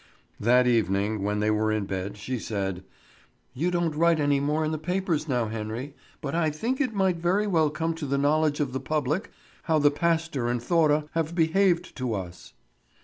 That evening, when they were in bed, she said: "You don't write any more in the papers now, Henry, but I think it might very well come to the knowledge of the public how the pastor and Thora have behaved to us."